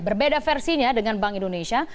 berbeda versinya dengan bank indonesia